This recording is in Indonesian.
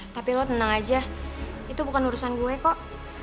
tapi lo tenang aja itu bukan urusan gue kok